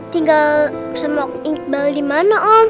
tinggal sama om iqbal dimana